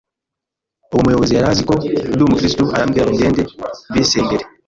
uwo muyobozi yari azi ko ndi umukristo arabwira ngo ngende mbisengere.